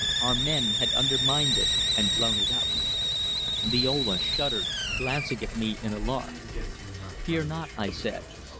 Our men had undermined it and blown it up. Liola shuddered, glancing at me in alarm. "Fear not," I said.